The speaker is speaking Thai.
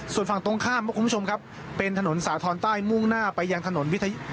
ส่วนฝั่งตรงข้ามครับคุณผู้ชมครับเป็นถนนสาธรณ์ใต้มุ่งหน้าไปยังถนนวิทยุ